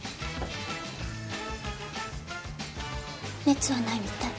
熱はないみたい。